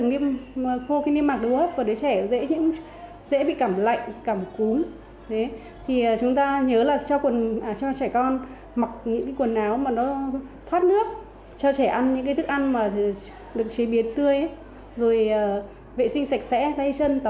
rồi vệ sinh sạch sẽ tay chân tắm rửa